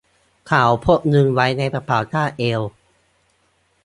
เขาพกเงินไว้ในกระเป๋าคาดเอว